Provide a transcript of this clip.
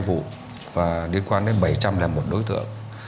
bốn mươi hai vụ và liên quan đến bảy trăm linh là một đối tượng